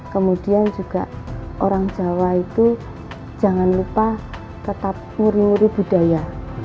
kemudian juga orang jawa itu jangan lupa tetap nguruh nguruh budaya